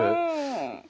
うん。